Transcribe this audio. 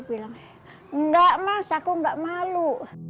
aku bilang enggak mas aku enggak malu